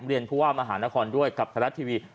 เรียนผู้ว่ามหานครด้วยกับไทยรัฐทีวี